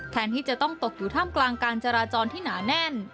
ที่จะต้องตกอยู่ท่ามกลางการจราจรที่หนาแน่น